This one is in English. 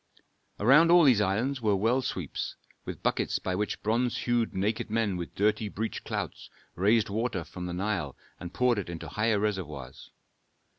Around all these islands were well sweeps, with buckets by which bronze hued naked men with dirty breech clouts raised water from the Nile and poured it into higher reservoirs.